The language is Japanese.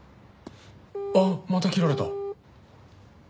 あっまた切られた。